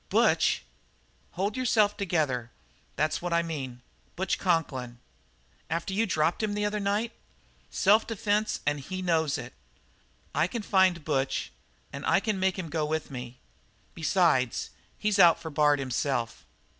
"Butch!" "Hold yourself together. That's what I mean Butch Conklin." "After you dropped him the other night?" "Self defence, and he knows it. I can find Butch, and I can make him go with me. Besides, he's out for Bard himself."